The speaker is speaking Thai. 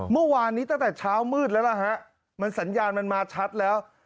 เมื่อวานนี้ตั้งแต่เช้ามืดแล้วล่ะฮะมันสัญญาณมันมาชัดแล้ว